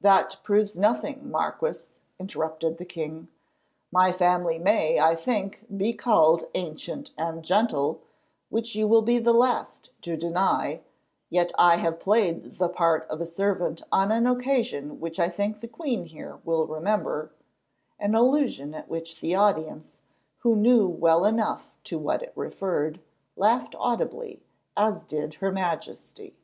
"That proves nothing, Marquis," interrupted the king. "My family may, I think, be called ancient and gentle, which you will be the last to deny, yet I have played the part of a servant on an occasion which I think the queen here will remember"—an allusion at which the audience, who knew well enough to what it referred, laughed audibly, as did her Majesty .